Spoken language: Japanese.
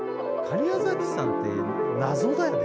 假屋崎さんって謎だよね。